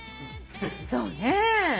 そうねえ。